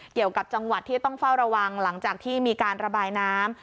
เกี่ยวกับจังหวัดที่ต้องเฝ้าระวังหลังจากที่มีการระบายน้ำ